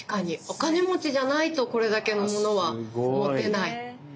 お金持ちじゃないとこれだけのものは持てない。